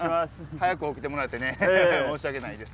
早く起きてもらってね申し訳ないです。